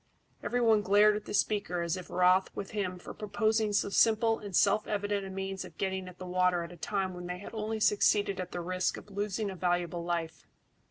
Every one glared at the speaker as if wroth with him for proposing so simple and self evident a means of getting at the water at a time when they had only succeeded at the risk of losing a valuable life.